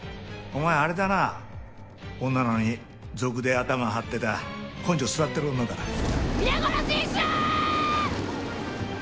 お前あれだな女なのに族で頭張ってた根性据わってる女だな皆殺しにしろ！